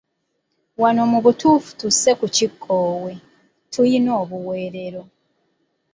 Wano mu butuufu tussa ku kikkoowe, tulina obuweerero.